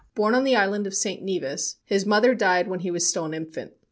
Born on the island of St. Nevis, his mother died when he was still an infant.